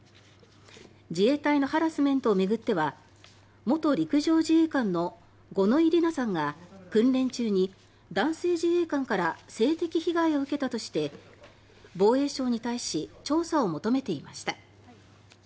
自衛隊のハラスメントを巡っては元陸上自衛官の五ノ井里奈さんが訓練中に男性自衛官から性的被害を受けたとして防衛省に対し調査を求めていました。